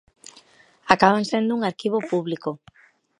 Acaban sendo un arquivo público.